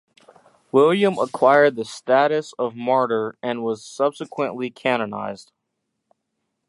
William acquired the status of martyr and was subsequently canonised.